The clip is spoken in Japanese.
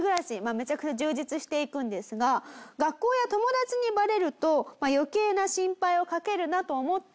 めちゃくちゃ充実していくんですが学校や友達にバレると余計な心配をかけるなと思って。